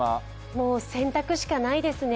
もう洗濯しかないですね。